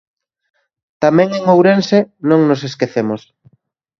Tamén en Ourense, non nos esquecemos.